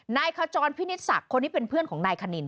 นายขจรพินิศศักดิ์คนนี้เป็นเพื่อนของนายคณิน